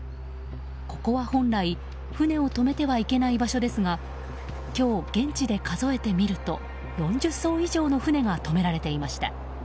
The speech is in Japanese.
ここは本来船を止めてはいけない場所ですが今日、現地で数えてみると４０艘以上の船が止められていました。